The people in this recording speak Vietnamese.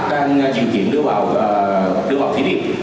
đang diễn chuyển đưa vào thí điệp